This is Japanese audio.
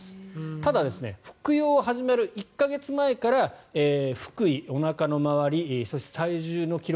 ただ、服用を始める１か月前から腹囲、おなかの周りそして体重の記録